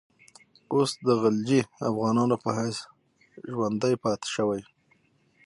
اوس د غلجي افغانانو په حیث ژوندی پاته شوی.